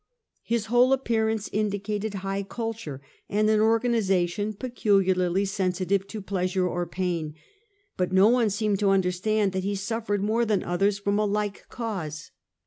His whole appearance indicated high culture, and an organization peculiarly sensitive to pleasure or pain; but no one seemed to understand that he suf fered more than others from a like cause.